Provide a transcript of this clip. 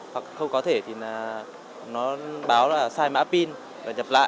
hoặc không có thể thì là nó báo là sai mã pin và nhập lại